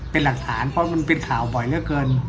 เป็นหลักฐานเพราะมันเป็นข่าวบ่อยเหลือเกิน